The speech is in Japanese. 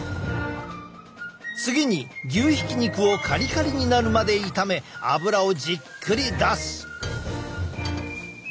次に牛ひき肉をカリカリになるまで炒めあぶらをじっくり出す。